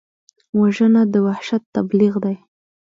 وژنه د وحشت تبلیغ دی